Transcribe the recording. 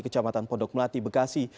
kecamatan pondok melati bekasi